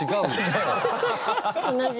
同じ。